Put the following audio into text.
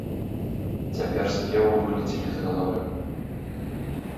Цяпер спевы вылецелі з галавы.